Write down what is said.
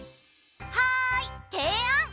はいていあん！